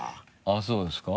あっそうですか？